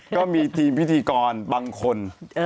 ก็มีทีมพิธีกรบางคน